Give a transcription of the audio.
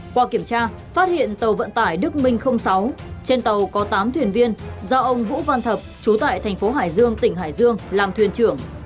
qua kiểm tra phát hiện tàu vận tải đức minh sáu trên tàu có tám thuyền viên do ông vũ văn thập trú tại thành phố hải dương tỉnh hải dương làm thuyền trưởng